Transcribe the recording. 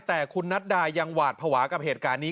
แต่คุณนัดดายังหวาดภาวะกับเหตุการณ์นี้